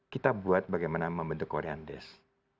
kita buat bagaimana membentuk korean desk